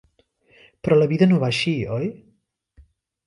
Però la vida no va així, oi?